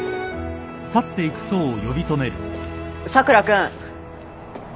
佐倉君。